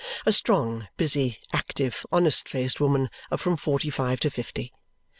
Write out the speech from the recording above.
A strong, busy, active, honest faced woman of from forty five to fifty.